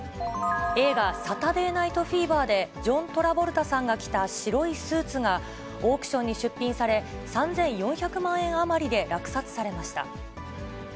映画、サタデー・ナイト・フィーバーで、ジョン・トラボルタさんが着た白いスーツが、オークションに出品され、３４００万円余りで落札されました。